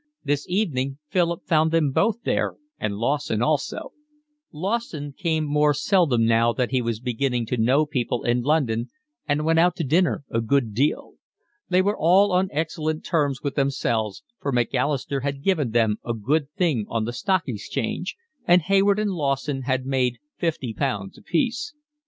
This evening Philip found them both there, and Lawson also; Lawson came more seldom now that he was beginning to know people in London and went out to dinner a good deal. They were all on excellent terms with themselves, for Macalister had given them a good thing on the Stock Exchange, and Hayward and Lawson had made fifty pounds apiece.